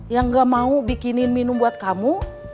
yang gak mau bikinin minum buat kamu